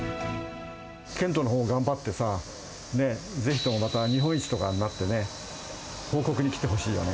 剣道のほう頑張ってさ、ぜひともまた日本一とかになってね、報告に来てほしいよね。